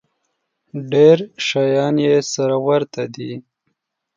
ډېر شیان یې سره ورته دي.